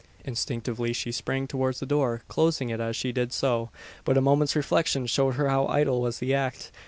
Instinctively she sprang towards the door, closing it, as she did so. But a moment's reflection showed her how idle was the act.